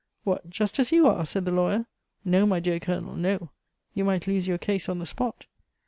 "What, just as you are?" said the lawyer. "No, my dear Colonel, no. You might lose your case on the spot."